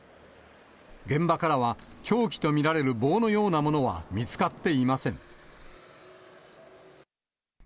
現場からは、凶器と見られる棒のようなものは見つかっていません。